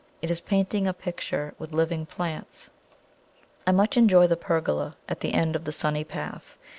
It is painting a picture with living plants. I much enjoy the pergola at the end of the sunny path.